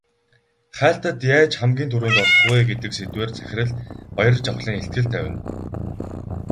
Хайлтад яаж хамгийн түрүүнд олдох вэ гэдэг сэдвээр захирал Баяржавхлан илтгэл тавина.